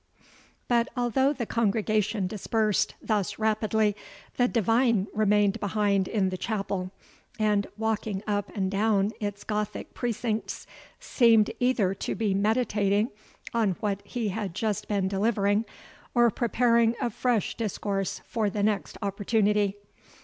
But although the congregation dispersed thus rapidly, the divine remained behind in the chapel, and, walking up and down its Gothic precincts, seemed either to be meditating on what he had just been delivering, or preparing a fresh discourse for the next opportunity.